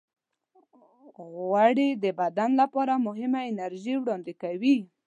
غوړې د بدن لپاره مهمه انرژي وړاندې کوي.